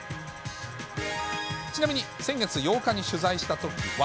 ちなみに、先月８日に取材したときは。